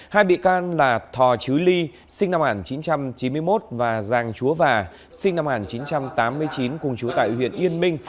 hai bị can là thò chứ ly sinh năm một nghìn chín trăm chín mươi một và giang chúa và sinh năm một nghìn chín trăm tám mươi chín cùng chú tại huyện yên minh